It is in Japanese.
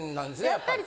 やっぱり。